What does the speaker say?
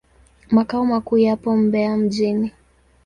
Makao makuu yapo Mbeya mjini.